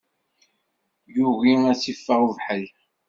Yugi ad tt-iffeɣ ubeḥri.